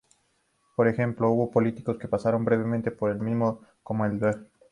Por ejemplo: hubo políticos que pasaron brevemente por el mismo, como el Dr.